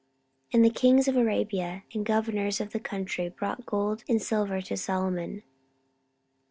And all the kings of Arabia and governors of the country brought gold and silver to Solomon.